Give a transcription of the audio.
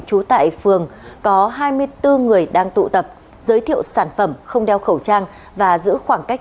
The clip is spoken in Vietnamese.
trú tại phường có hai mươi bốn người đang tụ tập giới thiệu sản phẩm không đeo khẩu trang và giữ khoảng cách